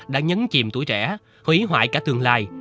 đã nhấn chìm tuổi trẻ hủy hoại cả tương lai